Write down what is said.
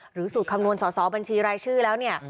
สูตรคำนวณสอสอบัญชีรายชื่อแล้วเนี่ย